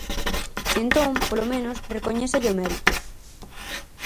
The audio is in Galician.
Entón, polo menos recoñézalle o mérito.